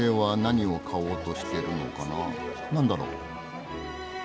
何だろう？